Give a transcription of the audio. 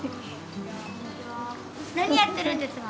何やってるんですか？